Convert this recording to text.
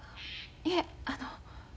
いえあの。